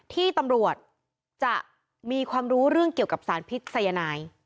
ที่ตำรวจจะมีความรู้เรื่องเกี่ยวกับสารพิษยนาย